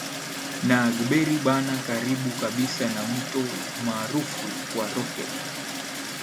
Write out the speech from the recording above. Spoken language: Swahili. na Gberi Bana karibu kabisa na mto maarufu wa Rokel